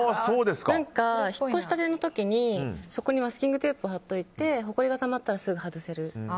引っ越したての時に、そこにマスキングテープ貼っておいてほこりがたまったらすぐ外せる。